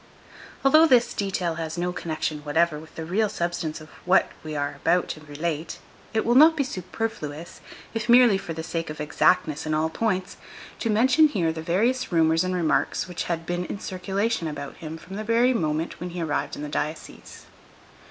Although this detail has no connection whatever with the real substance of what we are about to relate, it will not be superfluous, if merely for the sake of exactness in all points, to mention here the various rumors and remarks which had been in circulation about him from the very moment when he arrived in the diocese.